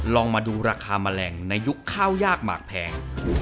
ลองมาดูราคาแมลงในยุคข้าวยากหมากแพง